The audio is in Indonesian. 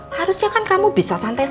harusnya kan kamu bisa santai